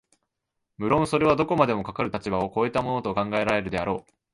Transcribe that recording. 無論それはどこまでもかかる立場を越えたものと考えられるであろう、